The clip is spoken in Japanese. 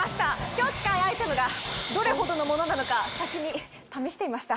今日使うアイテムがどれほどのものなのか先に試していました。